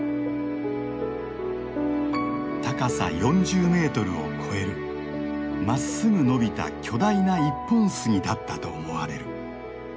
高さ４０メートルを超えるまっすぐ伸びた巨大な一本杉だったと思われる。